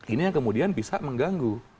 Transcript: ini yang kemudian bisa mengganggu